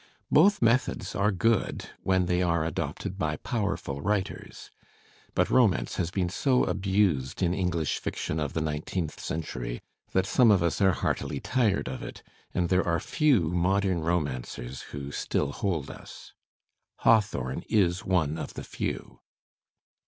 Both methods are good — when they are adopted by powerful writers. But romance has been so abused in English fiction of the nineteenth century that some of us are heartily tired of it, and there are few modem romancers who still hold us. Hawthorne is one of the few.